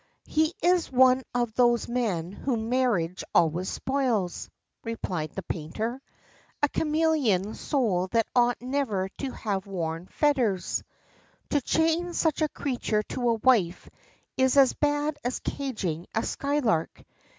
"He is one of those men whom marriage always spoils," replied the painter. "A chameleon soul that ought never to have worn fetters. To chain such a creature to a wife is as bad as caging a skylark.